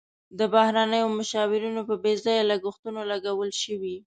د بهرنیو مشاورینو په بې ځایه لګښتونو لګول شوي.